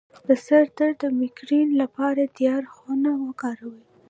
د سر درد د میګرین لپاره تیاره خونه وکاروئ